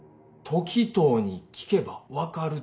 「時任に聞けば分かる」？